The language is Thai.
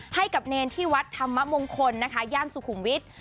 ให้กับเนรที่วัดธรรมมงคลนะคะย่านสุขุมวิทย์